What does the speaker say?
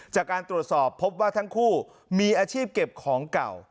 จากการตรวจสอบพบว่าทั้งคู่มีอาชีพเก็บของเก่า